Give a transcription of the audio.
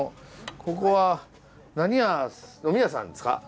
ここは何屋呑み屋さんですか？